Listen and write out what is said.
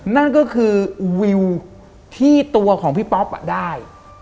นั่นก็คือวิวที่ตัวของพี่ป๊อปได้